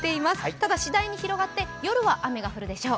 ただ、次第に広がって夜は雨が降るでしょう。